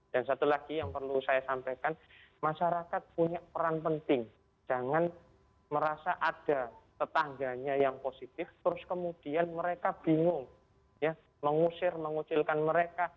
dan satu lagi yang perlu saya sampaikan masyarakat punya peran penting jangan merasa ada tetangganya yang positif terus kemudian mereka bingung mengusir mengucilkan mereka